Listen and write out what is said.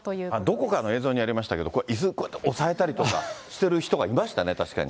どこかの映像にありましたけど、これ、いす、こうやって押さえたりとかしてる人がいましたね、確かに。